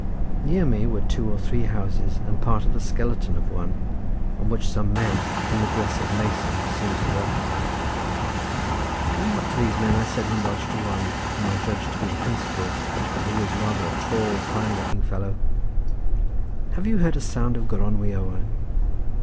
Near me were two or three houses and part of the skeleton of one, on which some men, in the dress of masons, seemed to be occupied. Going up to these men I said in Welsh to one, whom I judged to be the principal, and who was rather a tall fine looking fellow: "Have you heard a sound of Gronwy Owain?"